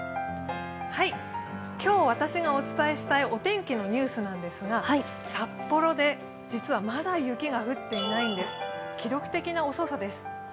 今日、私がお伝えしたいお天気のニュースなんですが、札幌で実はまだ雪が降っていないんです、記録的な遅さです。